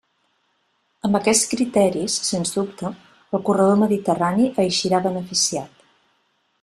Amb aquests criteris, sens dubte, el corredor mediterrani eixirà beneficiat.